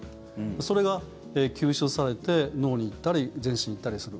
それが吸収されて脳に行ったり全身に行ったりする。